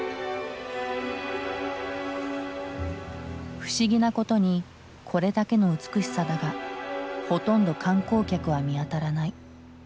不思議なことにこれだけの美しさだがほとんど観光客は見当たらない。